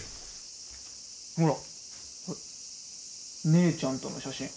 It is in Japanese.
姉ちゃんとの写真。